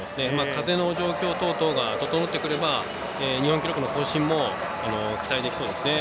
風の状況等々が整ってくれば日本記録の更新も期待できそうですね。